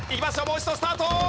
もう一度スタート！